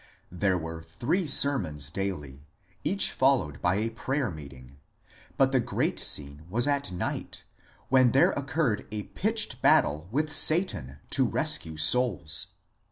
There were three sermons daily, each followed by a prayer meeting, but the great scene was at night, when there occurred a pitched battle with Satan to rescue souls.